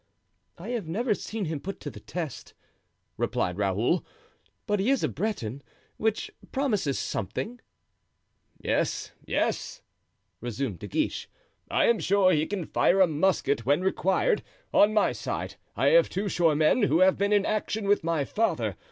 "I have never seen him put to the test," replied Raoul, "but he is a Breton, which promises something." "Yes, yes," resumed De Guiche; "I am sure he can fire a musket when required. On my side I have two sure men, who have been in action with my father.